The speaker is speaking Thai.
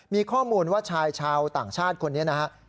มีข้อมูลว่าชายชาวต่างชาติคนนี้นะครับ